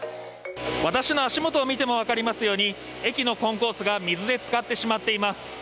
私の足元を見ても分かりますように駅のコンコースが水でつかってしまっています。